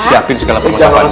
siapin segala permasalahannya